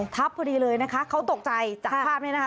ทับพอดีเลยนะคะเขาตกใจจากภาพนี้นะคะ